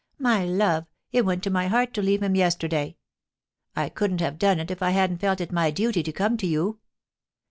'My love, it went to my heart to leave him yesterday. I couldn't have done it if I hadn't felt it my duty to come to you.